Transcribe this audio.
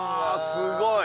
すごいわ。